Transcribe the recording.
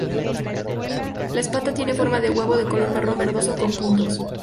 La espata tiene forma de huevo de color marrón verdoso con puntos.